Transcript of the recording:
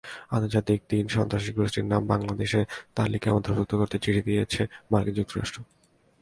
আন্তর্জাতিক তিন সন্ত্রাসী গোষ্ঠীর নাম বাংলাদেশের তালিকায় অন্তর্ভুক্ত করতে চিঠি দিয়েছে মার্কিন যুক্তরাষ্ট্র।